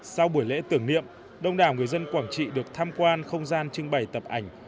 sau buổi lễ tưởng niệm đông đảo người dân quảng trị được tham quan không gian trưng bày tập ảnh